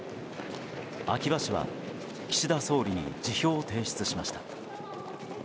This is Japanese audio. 秋葉氏は岸田総理に辞表を提出しました。